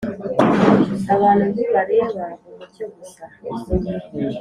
abantu ntibareba umucyo gusa.